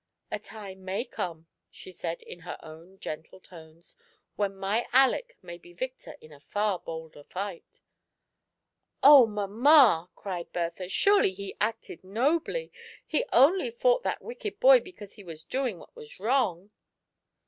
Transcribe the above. "A time may come," she said, in her own gentle tones, " when my Aleck may be victor in a far nobler fight." "0 mamma," cried Bertha, "surely he acted nobly! He only fought that wicked boy because he was doing what was wrong."